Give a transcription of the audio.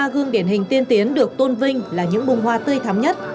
sáu mươi ba gương điển hình tiên tiến được tôn vinh là những bông hoa tươi thắm nhất